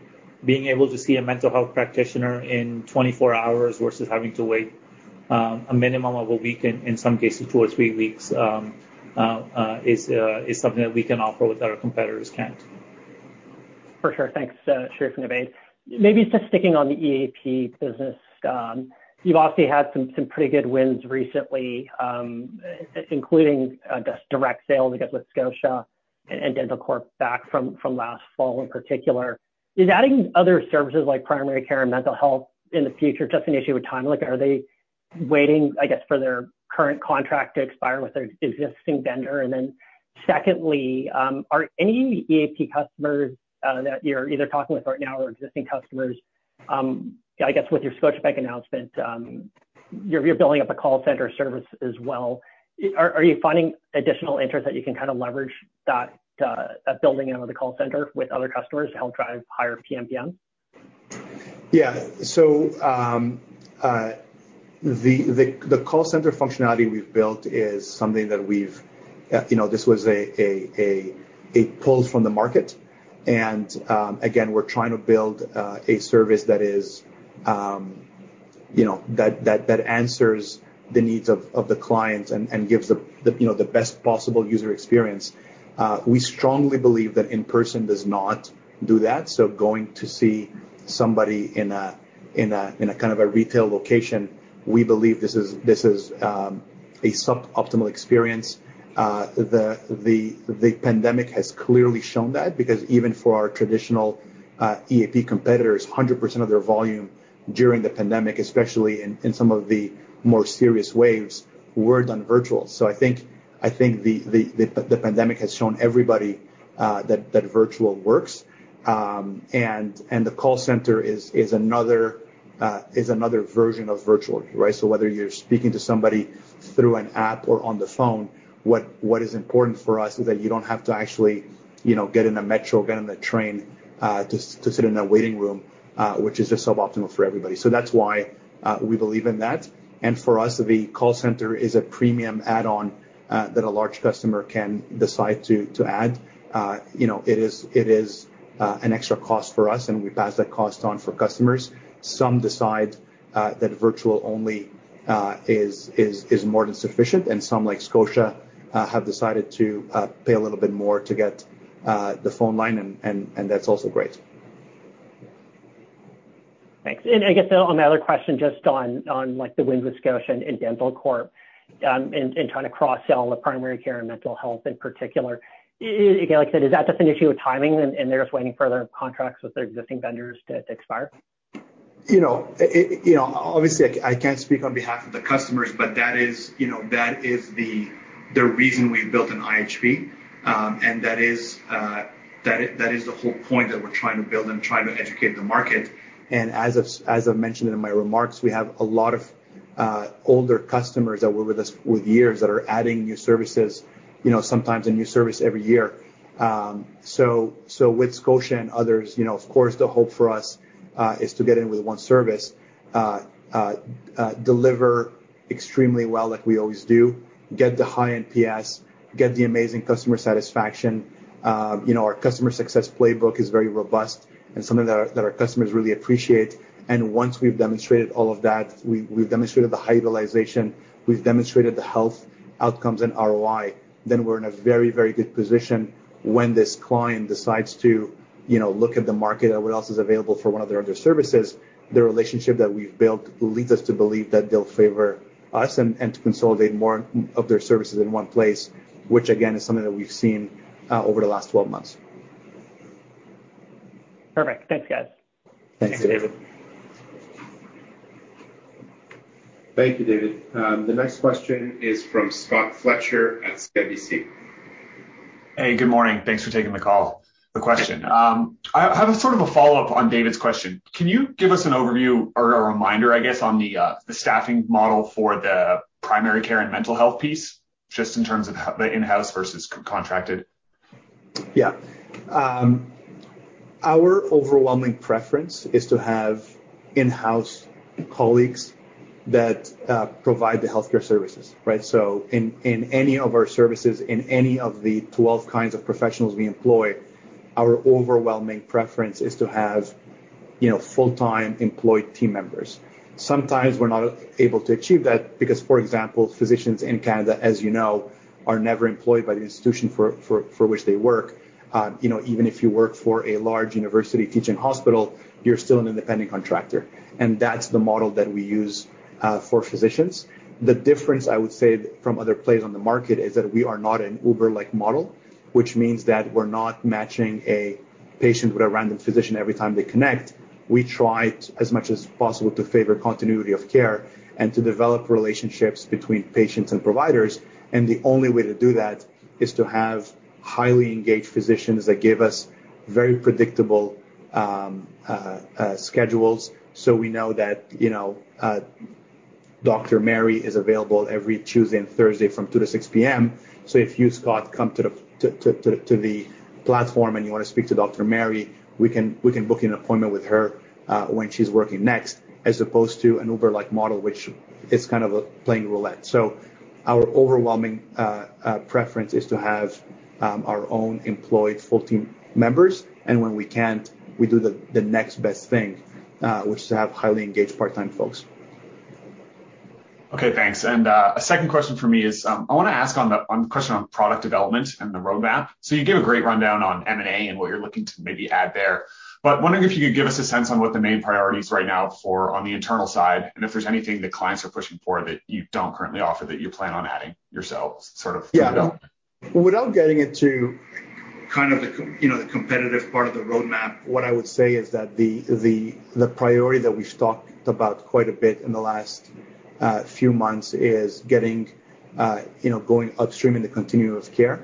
being able to see a mental health practitioner in 24 hours versus having to wait a minimum of a week, in some cases two or three weeks, is something that we can offer that our competitors can't. For sure. Thanks, Cherif and Navaid. Maybe just sticking on the EAP business, you've obviously had some pretty good wins recently, including just direct sales, I guess, with Scotia and dentalcorp back from last fall, in particular. Is adding other services like primary care and mental health in the future just an issue with timing? Like, are they waiting, I guess, for their current contract to expire with their existing vendor? And then secondly, are any EAP customers that you're either talking with right now or existing customers, I guess with your Scotiabank announcement, you're building up a call center service as well. Are you finding additional interest that you can kind of leverage that building out of the call center with other customers to help drive higher PMPM? Yeah, the call center functionality we've built is something that we've, you know, this was a pull from the market. Again, we're trying to build a service that is, you know, that answers the needs of the clients and gives the, you know, the best possible user experience. We strongly believe that in-person does not do that. Going to see somebody in a kind of a retail location, we believe this is a suboptimal experience. The pandemic has clearly shown that because even for our traditional EAP competitors, 100% of their volume during the pandemic, especially in some of the more serious waves, were done virtual. I think the pandemic has shown everybody that virtual works. The call center is another version of virtual, right? Whether you're speaking to somebody through an app or on the phone, what is important for us is that you don't have to actually, you know, get in a metro, get on a train to sit in a waiting room, which is just suboptimal for everybody. That's why we believe in that. For us, the call center is a premium add-on that a large customer can decide to add. You know, it is an extra cost for us, and we pass that cost on for customers. Some decide that virtual only is more than sufficient, and some, like Scotiabank, have decided to pay a little bit more to get the phone line and that's also great. Thanks. I guess on the other question, just on, like, the win with Scotiabank and dentalcorp, in trying to cross-sell the primary care and mental health in particular, again, like I said, is that just an issue of timing and they're just waiting for their contracts with their existing vendors to expire? You know, you know, obviously I can't speak on behalf of the customers, but that is, you know, that is the reason we built an IHP, and that is the whole point that we're trying to build and trying to educate the market. As I've mentioned in my remarks, we have a lot of older customers that were with us for years that are adding new services, you know, sometimes a new service every year. So with Scotiabank and others, you know, of course, the hope for us is to get in with one service, deliver extremely well like we always do, get the high NPS, get the amazing customer satisfaction. You know, our customer success playbook is very robust and something that our customers really appreciate. Once we've demonstrated all of that, we've demonstrated the hybridization, we've demonstrated the health outcomes and ROI, then we're in a very, very good position when this client decides to, you know, look at the market at what else is available for one of their other services. The relationship that we've built leads us to believe that they'll favor us and to consolidate more of their services in one place, which again, is something that we've seen over the last 12 months. Perfect. Thanks, guys. Thanks. Thanks, David. Thank you, David. The next question is from Scott Fletcher at CIBC. Hey, good morning. Thanks for taking the call. I have a sort of a follow-up on David's question. Can you give us an overview or a reminder, I guess, on the staffing model for the primary care and mental health piece, just in terms of the in-house versus contracted? Yeah. Our overwhelming preference is to have in-house colleagues that provide the healthcare services, right? In any of our services, in any of the 12 kinds of professionals we employ, our overwhelming preference is to have, you know, full-time employed team members. Sometimes we're not able to achieve that because, for example, physicians in Canada, as you know, are never employed by the institution for which they work. You know, even if you work for a large university teaching hospital, you're still an independent contractor, and that's the model that we use for physicians. The difference, I would say, from other players on the market is that we are not an Uber-like model, which means that we're not matching a patient with a random physician every time they connect. We try as much as possible to favor continuity of care and to develop relationships between patients and providers, and the only way to do that is to have highly engaged physicians that give us very predictable schedules, so we know that, you know, Dr. Mary is available every Tuesday and Thursday from 2:00PM to 6:00 PM. If you, Scott, come to the platform and you want to speak to Dr. Mary, we can book an appointment with her when she's working next, as opposed to an Uber-like model, which is kind of playing roulette. Our overwhelming preference is to have our own employed full team members, and when we can't, we do the next best thing, which is to have highly engaged part-time folks. Okay, thanks. A second question for me is, I want to ask a question on product development and the roadmap. You gave a great rundown on M&A and what you're looking to maybe add there, but wondering if you could give us a sense on what the main priority is right now for the internal side, and if there's anything that clients are pushing for that you don't currently offer that you plan on adding yourselves sort of through development. Yeah. Without getting into kind of the competitive part of the roadmap, you know, what I would say is that the priority that we've talked about quite a bit in the last few months is getting, you know, going upstream in the continuum of care.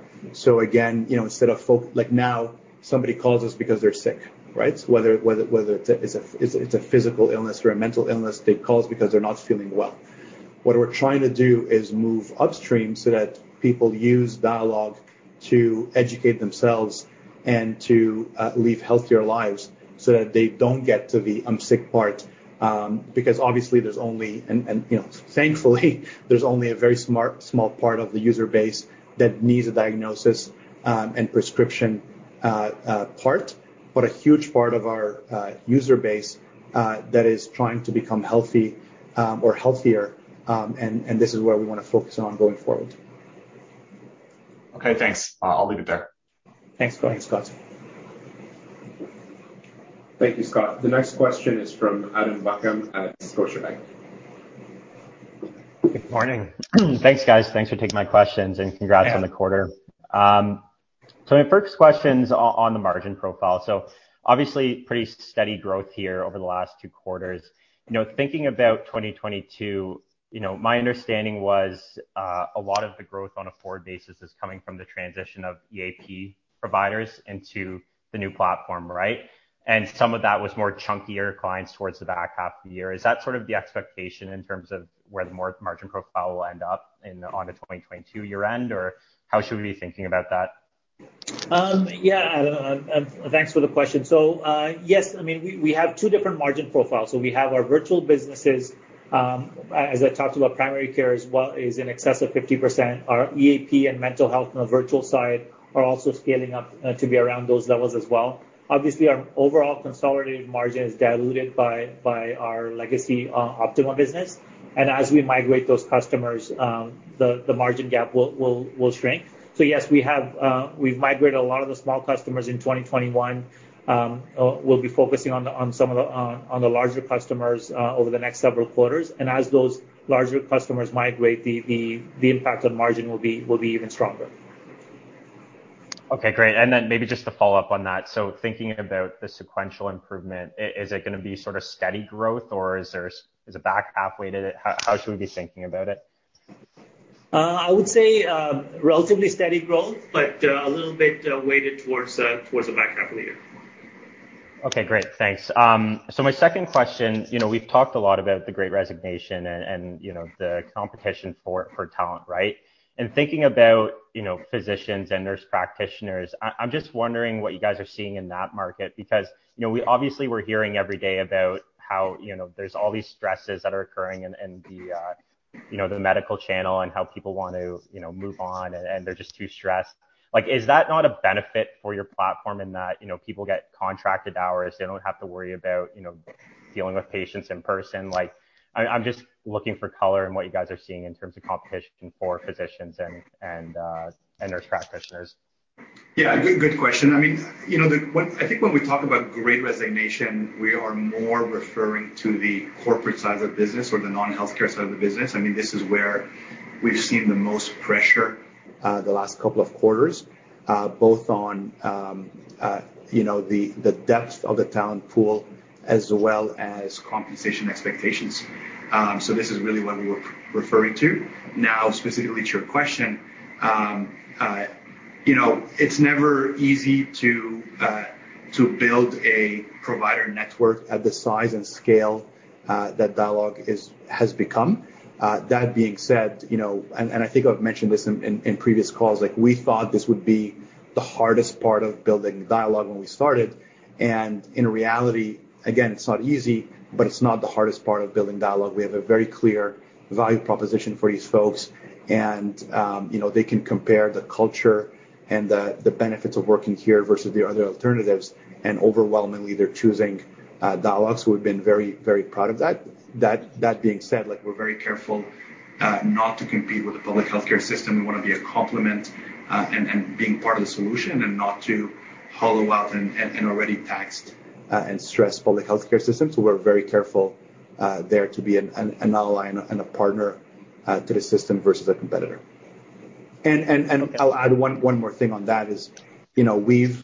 Again, you know, instead of like now, somebody calls us because they're sick, right? Whether it's a physical illness or a mental illness, they call us because they're not feeling well. What we're trying to do is move upstream so that people use Dialogue to educate themselves and to live healthier lives so that they don't get to the "I'm sick" part, because obviously, there's only. You know, thankfully, there's only a very small part of the user base that needs a diagnosis and prescription, but a huge part of our user base that is trying to become healthy or healthier, and this is where we wanna focus on going forward. Okay, thanks. I'll leave it there. Thanks. Thanks, Scott. Thank you, Scott. The next question is from Adam Buckham at Scotiabank. Good morning. Thanks, guys. Thanks for taking my questions and congrats. Yeah. On the quarter. My first question's on the margin profile. Obviously pretty steady growth here over the last two quarters. You know, thinking about 2022, you know, my understanding was, a lot of the growth on a forward basis is coming from the transition of EAP providers into the new platform, right? Some of that was more chunkier clients towards the back half of the year. Is that sort of the expectation in terms of where the margin profile will end up on the 2022 year-end? Or how should we be thinking about that? Thanks for the question. Yes, I mean, we have two different margin profiles. We have our virtual businesses, as I talked about primary care as well is in excess of 50%. Our EAP and mental health on the virtual side are also scaling up to be around those levels as well. Obviously, our overall consolidated margin is diluted by our legacy Optima business. As we migrate those customers, the margin gap will shrink. Yes, we've migrated a lot of the small customers in 2021. We'll be focusing on some of the larger customers over the next several quarters. As those larger customers migrate, the impact on margin will be even stronger. Okay, great. Maybe just to follow up on that. Thinking about the sequential improvement, is it gonna be sort of steady growth, or is it back half weighted? How should we be thinking about it? I would say, relatively steady growth, but a little bit weighted towards the back half of the year. Okay, great. Thanks. So my second question, you know, we've talked a lot about the great resignation and, you know, the competition for talent, right? In thinking about, you know, physicians and nurse practitioners, I'm just wondering what you guys are seeing in that market because, you know, obviously we're hearing every day about how, you know, there's all these stresses that are occurring in the, you know, the medical channel and how people want to, you know, move on and they're just too stressed. Like, is that not a benefit for your platform in that, you know, people get contracted hours, they don't have to worry about, you know, dealing with patients in person? Like, I'm just looking for color in what you guys are seeing in terms of competition for physicians and nurse practitioners. Yeah, good question. I mean, you know, I think when we talk about great resignation, we are more referring to the corporate side of the business or the non-healthcare side of the business. I mean, this is where we've seen the most pressure, the last couple of quarters, both on, you know, the depth of the talent pool as well as compensation expectations. So this is really what we were referring to. Now, specifically to your question, you know, it's never easy to build a provider network at the size and scale that Dialogue has become. That being said, you know, and I think I've mentioned this in previous calls, like, we thought this would be the hardest part of building Dialogue when we started. In reality, again, it's not easy, but it's not the hardest part of building Dialogue. We have a very clear value proposition for these folks and, you know, they can compare the culture and the benefits of working here versus the other alternatives, and overwhelmingly, they're choosing Dialogue. We've been very, very proud of that. That being said, like, we're very careful not to compete with the public healthcare system. We want to be a complement and being part of the solution and not to hollow out an already taxed and stressed public healthcare system. We're very careful there to be an ally and a partner to the system versus a competitor. I'll add one more thing on that is, you know, we've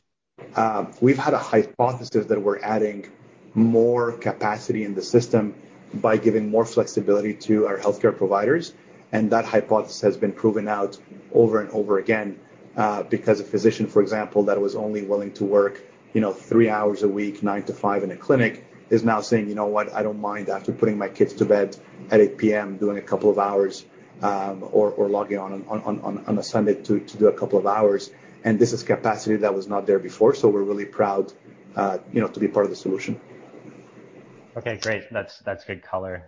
had a hypothesis that we're adding more capacity in the system by giving more flexibility to our healthcare providers, and that hypothesis has been proven out over and over again, because a physician, for example, that was only willing to work, you know, three hours a week, nine to five in a clinic is now saying, "You know what? I don't mind after putting my kids to bed at eight PM doing a couple of hours, or logging on a Sunday to do a couple of hours." This is capacity that was not there before. We're really proud, you know, to be part of the solution. Okay, great. That's good color.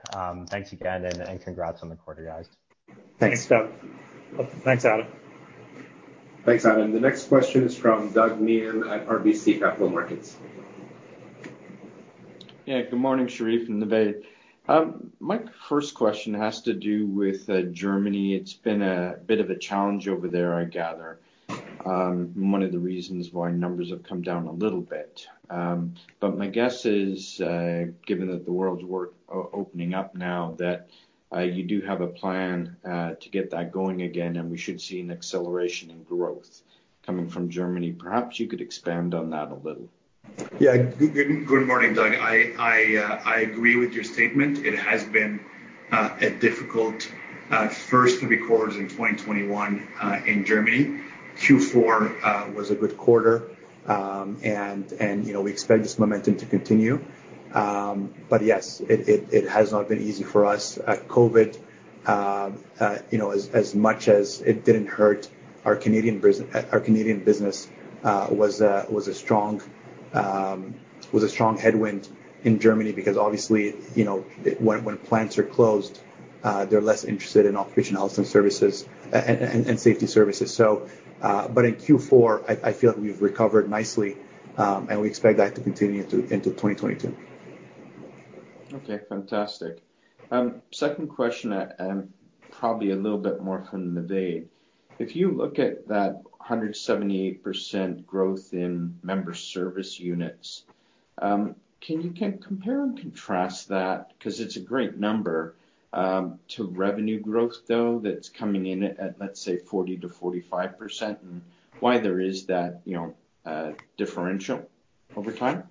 Thanks again, and congrats on the quarter, guys. Thanks. Thanks, Adam. Thanks, Adam. The next question is from Doug Miehm at RBC Capital Markets. Yeah. Good morning, Cherif and Navaid. My first question has to do with Germany. It's been a bit of a challenge over there, I gather, one of the reasons why numbers have come down a little bit. But my guess is, given that the world is opening up now, that you do have a plan to get that going again, and we should see an acceleration in growth coming from Germany. Perhaps you could expand on that a little. Yeah. Good morning, Doug. I agree with your statement. It has been a difficult first three quarters in 2021 in Germany. Q4 was a good quarter. You know, we expect this momentum to continue. Yes, it has not been easy for us. You know, as much as it didn't hurt our Canadian business, it was a strong headwind in Germany because obviously, you know, when plants are closed, they're less interested in occupational health and services and safety services. In Q4, I feel like we've recovered nicely, and we expect that to continue into 2022. Okay, fantastic. Second question, probably a little bit more for Navaid. If you look at that 178% growth in member service units, can you compare and contrast that, 'cause it's a great number, to revenue growth though that's coming in at, let's say 40%-45%, and why there is that, you know, differential over time?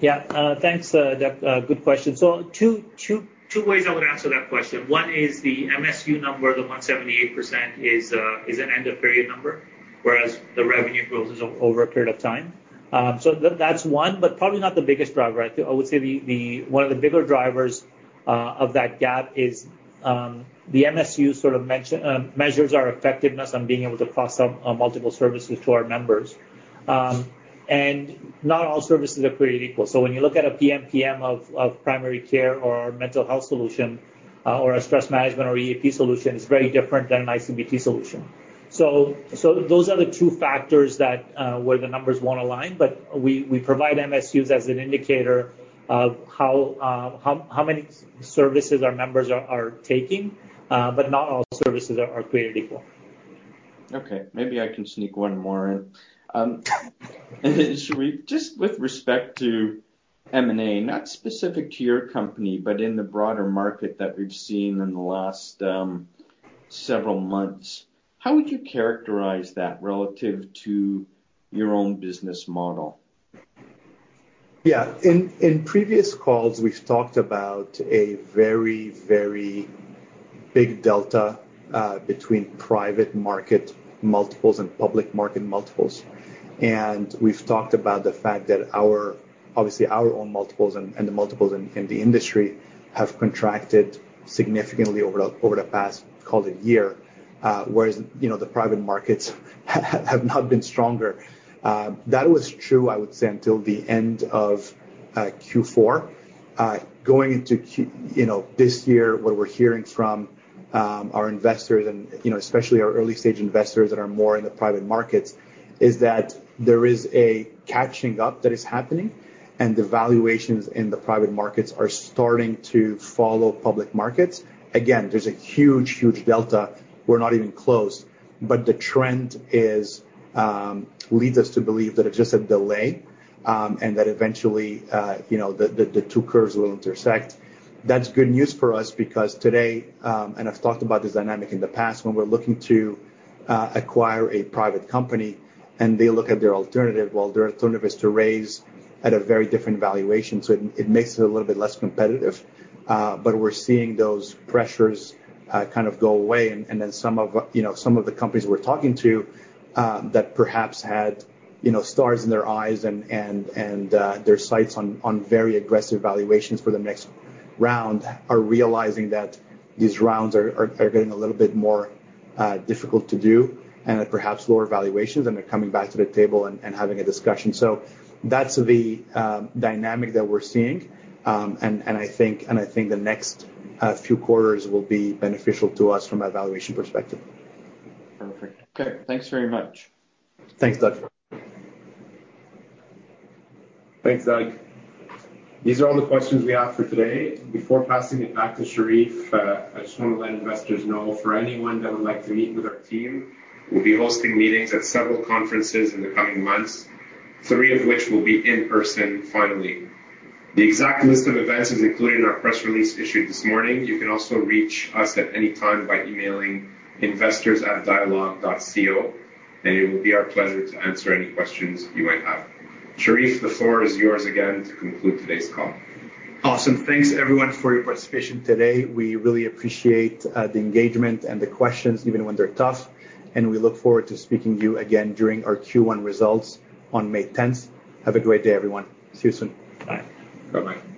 Yeah. Thanks, Doug. Good question. Two ways I would answer that question. One is the MSU number, the 178% is an end of period number, whereas the revenue growth is over a period of time. That's one, but probably not the biggest driver. I would say the one of the bigger drivers of that gap is the MSU sort of measures our effectiveness on being able to cross-sell multiple services to our members. Not all services are created equal. When you look at a PMPM of primary care or mental health solution, or a stress management or EAP solution, it's very different than an ICBT solution. Those are the two factors that where the numbers won't align. We provide MSUs as an indicator of how many services our members are taking, but not all services are created equal. Okay. Maybe I can sneak one more in. Cherif, just with respect to M&A, not specific to your company, but in the broader market that we've seen in the last several months, how would you characterize that relative to your own business model? Yeah. In previous calls, we've talked about a very, very big delta between private market multiples and public market multiples. We've talked about the fact that our obviously our own multiples and the multiples in the industry have contracted significantly over the past, call it year, whereas you know, the private markets have not been stronger. That was true, I would say, until the end of Q4. Going into this year, you know, what we're hearing from our investors and you know, especially our early-stage investors that are more in the private markets, is that there is a catching up that is happening, and the valuations in the private markets are starting to follow public markets. Again, there's a huge, huge delta. We're not even close. The trend is leads us to believe that it's just a delay, and that eventually, you know, the two curves will intersect. That's good news for us because today, and I've talked about this dynamic in the past, when we're looking to acquire a private company, and they look at their alternative, well, their alternative is to raise at a very different valuation, so it makes it a little bit less competitive. We're seeing those pressures kind of go away. Some of, you know, some of the companies we're talking to that perhaps had, you know, stars in their eyes and their sights on very aggressive valuations for the next round are realizing that these rounds are getting a little bit more difficult to do and at perhaps lower valuations, and they're coming back to the table and having a discussion. That's the dynamic that we're seeing. I think the next few quarters will be beneficial to us from a valuation perspective. Perfect. Okay. Thanks very much. Thanks, Doug. Thanks, Doug. These are all the questions we have for today. Before passing it back to Cherif, I just want to let investors know, for anyone that would like to meet with our team, we'll be hosting meetings at several conferences in the coming months, three of which will be in person finally. The exact list of events is included in our press release issued this morning. You can also reach us at any time by emailing investors@dialogue.co, and it will be our pleasure to answer any questions you might have. Cherif, the floor is yours again to conclude today's call. Awesome. Thanks everyone for your participation today. We really appreciate the engagement and the questions, even when they're tough, and we look forward to speaking to you again during our Q1 results on May 10th. Have a great day, everyone. See you soon. Bye. Bye-bye.